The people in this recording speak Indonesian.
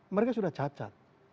mereka sudah cacat